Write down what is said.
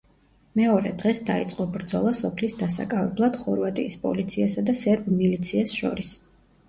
მეორე დღეს დაიწყო ბრძოლა სოფლის დასაკავებლად ხორვატიის პოლიციასა და სერბ მილიციას შორის.